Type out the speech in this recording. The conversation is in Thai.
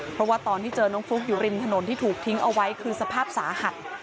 เพราะว่าตอนที่เจอน้องฟลุ๊กอยู่ริมถนนที่ถูกทิ้งเอาไว้คือสภาพสาหัส